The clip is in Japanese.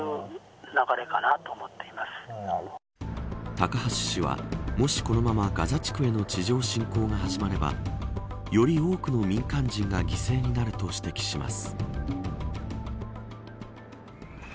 高橋氏はもしこのままガザ地区への地上侵攻が始まればより多くの民間人が犠牲になると指摘します。